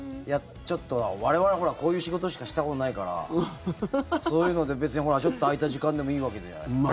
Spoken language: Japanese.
我々、こういう仕事しかしたことないからそういうのでちょっと空いた時間でもいいわけじゃないですか。